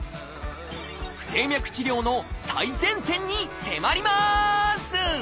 不整脈治療の最前線に迫ります！